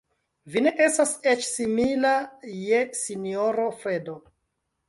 Vi ne estas eĉ simila je sinjoro Fredo.